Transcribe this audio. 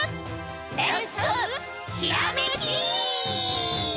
レッツひらめき！